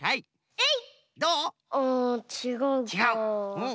えい！